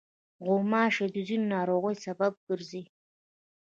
غوماشې د ځینو ناروغیو سبب ګرځي.